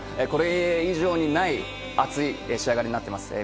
これ以上ない熱い仕上がりになっています。